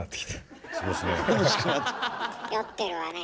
酔ってるわね。